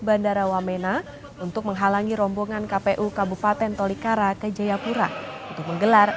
bandara wamena untuk menghalangi rombongan kpu kabupaten tolikara ke jayapura untuk menggelar